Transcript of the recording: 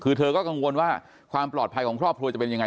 คือเธอก็กังวลว่าความปลอดภัยของครอบครัวจะเป็นยังไง